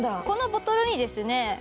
このボトルにですね